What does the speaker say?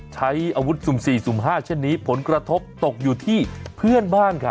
ใช้อาวุธ๐๔๐๕เช่นนี้ผลกระทบตกอยู่ที่เพื่อนบ้านค่ะ